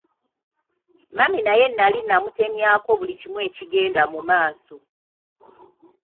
Mami naye nali mmutemyako buli kimu ekigenda mu maaso.